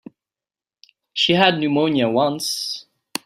She had pneumonia once.